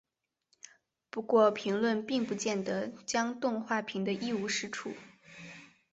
不过评论并不见得将动画评得一无是处。